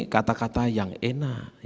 kata kata yang enak